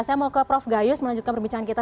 saya mau ke prof gayus melanjutkan perbincangan kita